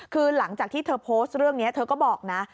คือหลังจากที่เธอโพสต์เรื่องนี้เธอก็บอกนะ